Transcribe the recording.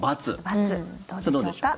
どうでしょうか。